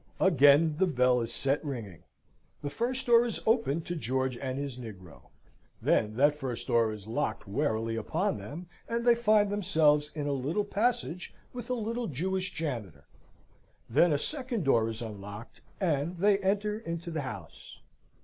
Again the bell is set ringing. The first door is opened to George and his negro; then that first door is locked warily upon them, and they find themselves in a little passage with a little Jewish janitor; then a second door is unlocked, and they enter into the house.